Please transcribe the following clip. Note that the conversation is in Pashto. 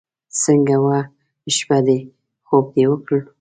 څنګه وه شپه دې؟ خوب دې وکړو.